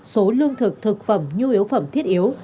số lương thực thực phẩm nhu yếu phẩm thiết yếu